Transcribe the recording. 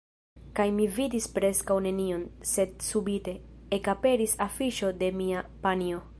Kaj mi vidis preskaŭ nenion, sed subite, ekaperis afiŝo de mia panjo.